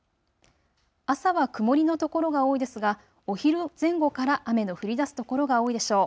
朝は曇りの所が多いですがお昼前後から雨の降りだす所が多いでしょう。